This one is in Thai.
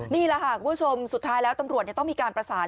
นี่แหละค่ะคุณผู้ชมสุดท้ายแล้วตำรวจต้องมีการประสาน